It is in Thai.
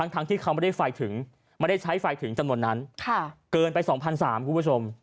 ทั้งที่เขาไม่ได้ใช้ไฟถึงสำนวนนั้นเกินไป๒๓๐๐บาทคุณผู้ชม